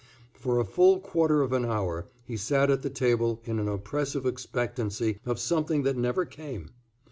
For a full quarter of an hour he sat at the table in an oppressive expectancy of something that never came.